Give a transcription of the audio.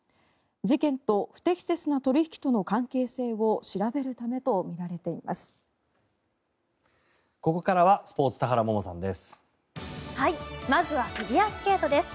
事件と不適切な取引との関係性を調べるためとみられています。